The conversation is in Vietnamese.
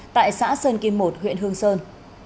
tại xã sơn kim một huyện hương sơn